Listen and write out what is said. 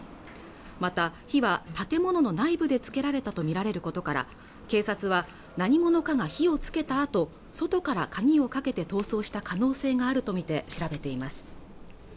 また火は建物の内部でつけられたと見られることから警察は何者かが火をつけたあと外から鍵をかけて逃走した可能性があるとみて調べています